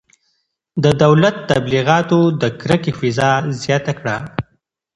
د دولت تبلیغاتو د کرکې فضا زیاته کړه.